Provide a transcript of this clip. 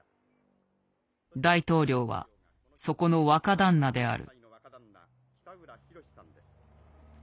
大統領はそこの若旦那である。